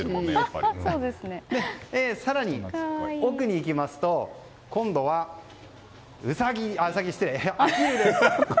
更に、奥に行きますと今度はアヒルです。